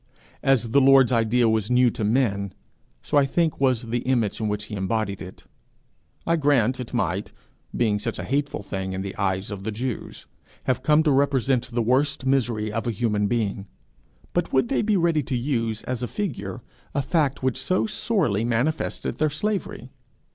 As the Lord's idea was new to men, so I think was the image in which he embodied it. I grant it might, being such a hateful thing in the eyes of the Jews, have come to represent the worst misery of a human being; but would they be ready to use as a figure a fact which so sorely manifested their slavery?